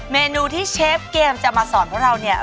เมนูที่เชฟเกมจะมาสอนพวกเราเนี่ย